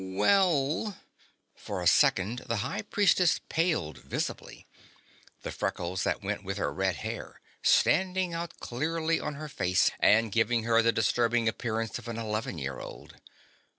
"Well " For a second the High Priestess paled visibly, the freckles that went with her red hair standing out clearly on her face and giving her the disturbing appearance of an eleven year old.